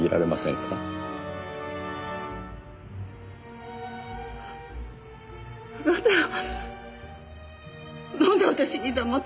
だったらなんで私に黙って。